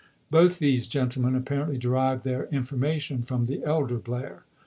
^ Both these gentlemen apparently derived their in formation from the elder Blair.